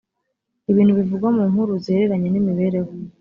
ibintu bivugwa mu nkuru zihereranye n’ imibereho